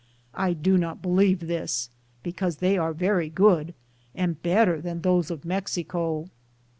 * I do not believe this, because they are very good, and better than those of Mexico.